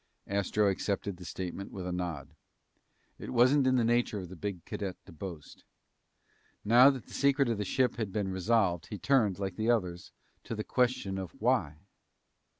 Astro accepted the statement with a nod. It wasn't in the nature of the big cadet to boast. Now that the secret of the ship had been resolved, he turned, like the others, to the question of why?